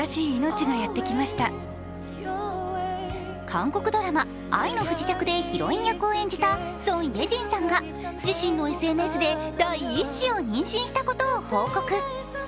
韓国ドラマ「愛の不時着」でヒロイン役を演じたソン・イェジンさんが自身のＳＮＳで第１子を妊娠したことを報告。